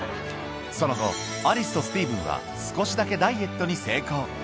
その後、アリスとスティーブンは少しだけダイエットに成功。